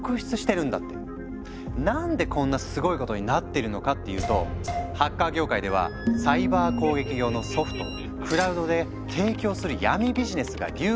なんでこんなすごいことになってるのかっていうとハッカー業界ではサイバー攻撃用のソフトをクラウドで提供する闇ビジネスが流行してるからなんだとか。